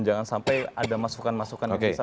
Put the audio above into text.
jangan sampai ada masukan masukan yang disampaikan